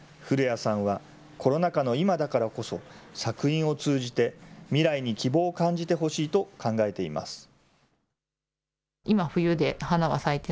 古屋さんは、コロナ禍の今だからこそ、作品を通じて未来に希望を感じてほしいと考えています。